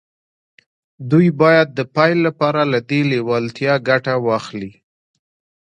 دوی باید د پیل لپاره له دې لېوالتیا ګټه واخلي